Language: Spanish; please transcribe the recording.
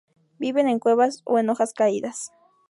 Viven en cuevas o en hojas caídas.